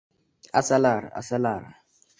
Asalari, asalari